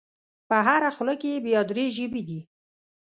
په هره خوله کې یې بیا درې ژبې دي.